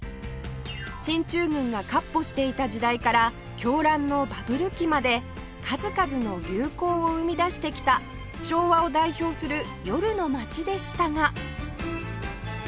進駐軍が闊歩していた時代から狂乱のバブル期まで数々の流行を生み出してきた昭和を代表する夜の街でしたが